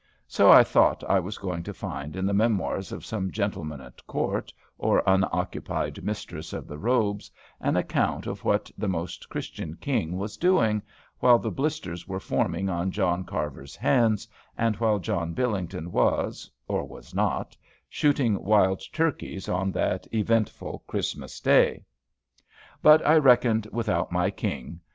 So I thought I was going to find in the memoirs of some gentleman at court, or unoccupied mistress of the robes, an account of what the most Christian King was doing, while the blisters were forming on John Carver's hands, and while John Billington was, or was not, shooting wild turkeys on that eventful Christmas day. But I reckoned without my king.